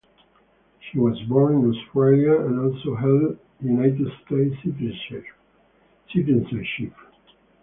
She was born in Australia and also held United States citizenship.